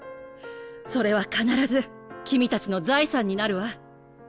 それは必ず君たちの財産になるわ。